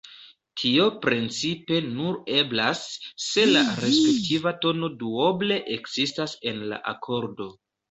Tio principe nur eblas, se la respektiva tono duoble ekzistas en la akordo.